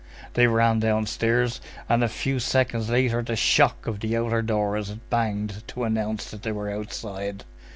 They ran downstairs, and a few seconds later the shock of the outer door as it banged to announced that they were outside.